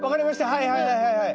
はいはいはいはいはい。